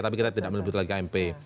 tapi kita tidak menyebut lagi kmp